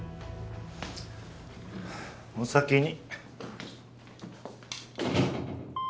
お先に。